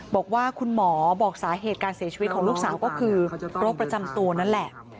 บอกว่าคุณหมอบอกสาเหตุการเสียชีวิตของลูกสาวก็คือโรคประจำตัวนั่นแหละ